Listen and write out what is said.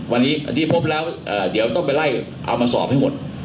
วันนี้ที่พบแล้วเดี๋ยวต้องไปไล่เอามาสอบให้หมด